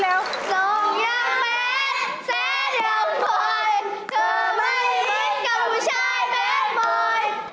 เธอไม่ฮิตกับผู้ชายแบดบ่อย